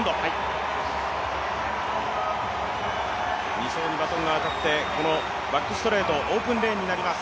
２走にバトンが渡ってバックストレートオープンレーンになります。